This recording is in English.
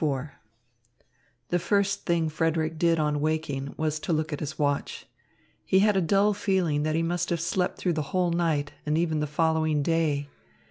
XXXIV The first thing Frederick did on waking was to look at his watch. He had a dull feeling that he must have slept through the whole night and even the following day.